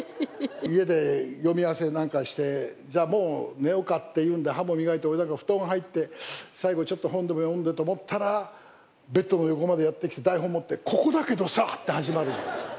家で読み合わせなんかして、じゃあもう、寝ようかっていうんで、歯も磨いて、布団入って、最後ちょっと本でも読んでと思ったら、ベッドの横までやって来て、台本持って、ここだけどさ！って始まる。